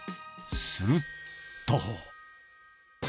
すると。